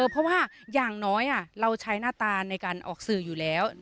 เพราะว่าอย่างน้อยเราใช้หน้าตาในการออกสื่ออยู่แล้ว